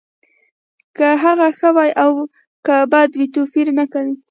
که هغه ښه وي او که بد وي توپیر نه کوي